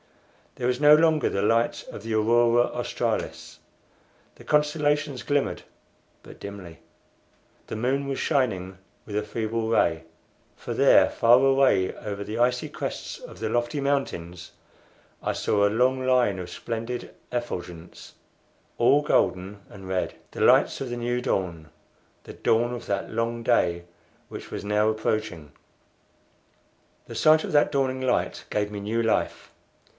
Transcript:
There was no longer the light of the aurora australis; the constellations glimmered but dimly, the moon was shining with but a feeble ray; for there far away over the icy crests of the lofty mountains I saw a long line of splendid effulgence, all golden and red the light of the new dawn the dawn of that long day which was now approaching. The sight of that dawning light gave me new life.